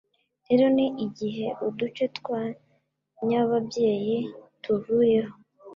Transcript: rero ni igihe uduce twa nyababyeyi tuvuyeho